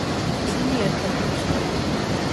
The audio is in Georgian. ისინი ერთად ლოცულობდნენ.